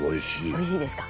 おいしいですか。